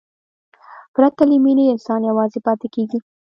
پرته له مینې، انسان یوازې پاتې کېږي.